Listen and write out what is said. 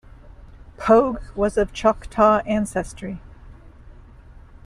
Pogue was of Choctaw ancestry.